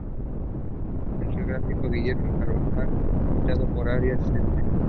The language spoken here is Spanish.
El geógrafo Guillermo Carvajal, citado por Arias, et.